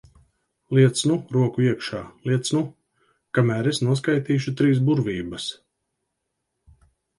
Liec nu roku iekšā, liec nu! Kamēr es noskaitīšu trīs burvības.